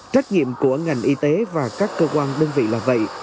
trách nhiệm của ngành y tế và các cơ quan đơn vị là vậy